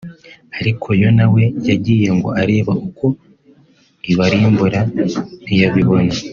Ariko Yona we yagiye ngo arebe uko Ibarimbura ntiyabibona